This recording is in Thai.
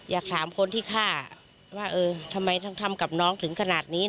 อยากถามคนที่ฆ่าว่าเออทำไมต้องทำกับน้องถึงขนาดนี้